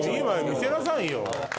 今見せなさいよ。